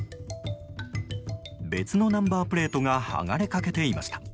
別のナンバープレートが剥がれかけていました。